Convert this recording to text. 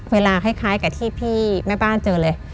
คล้ายกับที่พี่แม่บ้านเจอเลย